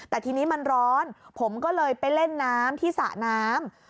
แต่ทีนี้มันร้อนผมก็เลยไปเล่นน้ำที่สระน้ำ